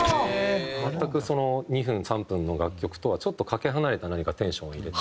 全くその２分３分の楽曲とはちょっとかけ離れた何かテンションを入れて。